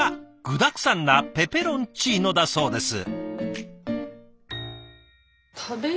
具だくさんなペペロンチーノだそうです。